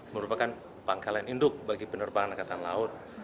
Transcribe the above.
merupakan pangkalan induk bagi penerbangan angkatan laut